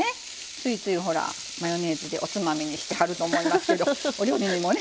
ついついマヨネーズでおつまみにしてはると思いますけどお料理にもね。